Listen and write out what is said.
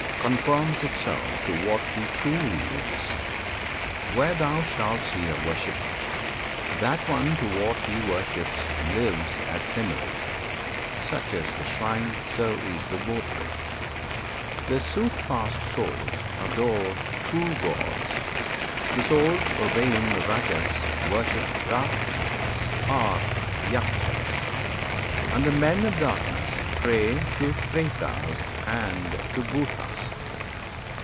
Conforms itself to what he truly is. Where thou shalt see a worshipper, that one To what he worships lives assimilate, [Such as the shrine, so is the votary,] The "soothfast" souls adore true gods; the souls Obeying Rajas worship Rakshasas[FN#34] Or Yakshas; and the men of Darkness pray To Pretas and to Bhutas.